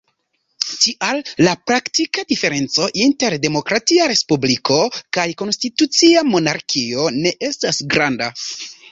Tial, la praktika diferenco inter demokratia respubliko kaj konstitucia monarkio ne estas granda.